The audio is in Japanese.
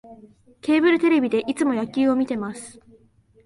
ケーブルテレビでいつも野球を観てます